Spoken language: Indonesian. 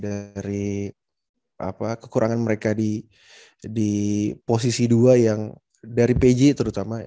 dari kekurangan mereka di posisi dua yang dari pj terutama